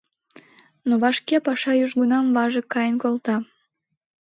Но вашке паша южгунам важык каен колта.